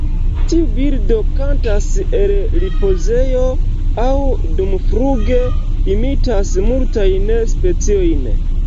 Tiu birdo kantas el ripozejo aŭ dumfluge; imitas multajn speciojn.